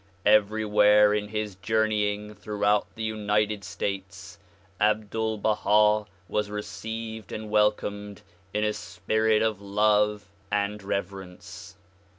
Everywhere in his journeying throughout the United States Abdul Baha was received and welcomed in a spirit of love and reverence.